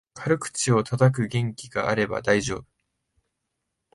軽口をたたく元気があれば大丈夫